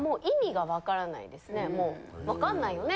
分かんないよね？